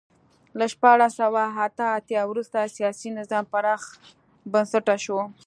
له شپاړس سوه اته اتیا وروسته سیاسي نظام پراخ بنسټه شو.